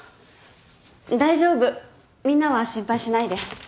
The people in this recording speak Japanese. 大丈夫みんなは心配しないで。